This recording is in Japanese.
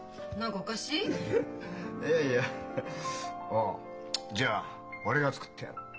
ああじゃあ俺が作ってやる。